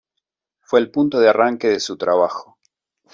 Fue el punto de arranque de su trabajo.